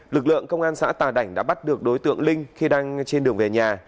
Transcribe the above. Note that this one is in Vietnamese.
lực lượng công an xã tà đảnh đã bắt được đối tượng linh khi đang trên đường về nhà